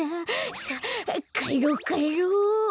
さあかえろかえろ。